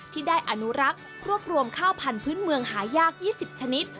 ที่ได้อนุรักษ์รวบรวมข้าวพันธุ์เมืองหายาก๒๐ชนิด